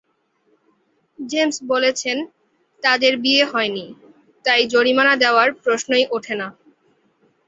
James বলছেন, তাঁদের বিয়ে হয়নি, তাই জরিমানা দেওয়ার প্রশ্নই ওঠে না।